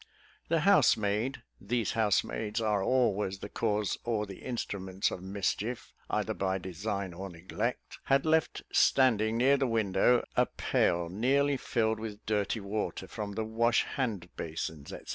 The housemaid (these housemaids are always the cause or the instruments of mischief, either by design or neglect), had left standing near the window a pail nearly filled with dirty water, from the wash hand basins, &c.